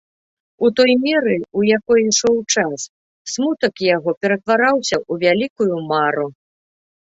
У той меры, у якой ішоў час, смутак яго ператвараўся ў вялікую мару.